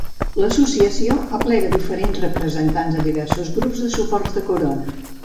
L'associació aplega diferents representants de diversos grups de suport de Korona.